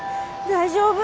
大丈夫。